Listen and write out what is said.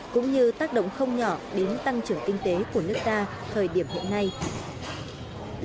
cũng như tác động không nhỏ đến tăng trưởng kinh tế của nước ta thời điểm hiện nay